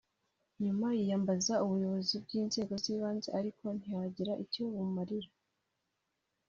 nyuma yiyambaza ubuyobozi bw’inzego zibanze ariko ntihagira icyo bumumarira